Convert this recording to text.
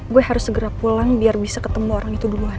gue harus segera pulang biar bisa ketemu orang itu duluan